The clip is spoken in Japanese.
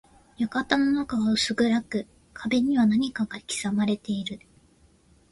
館の中は薄暗く、壁には何かが刻まれている。